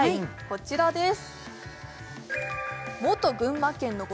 こちらです